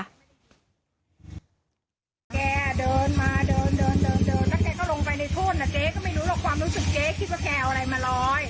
แกเดินมาเดินเดินเดินแล้วแกก็ลงไปในทุ่นเจ๊ก็ไม่รู้หรอกความรู้สึกเจ๊คิดว่าแกเอาอะไรมาลอย